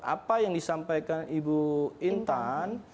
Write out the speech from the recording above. apa yang disampaikan ibu intan